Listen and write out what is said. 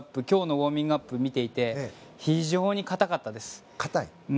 今日のウォーミングアップを見ていて非常に硬かったです。